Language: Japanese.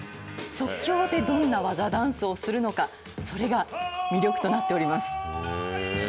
即興でどんな技、ダンスをするのか、それが魅力となっております。